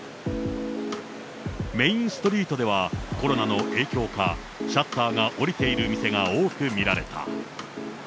メインストリートでは、コロナの影響か、シャッターが下りている店が多く見られた。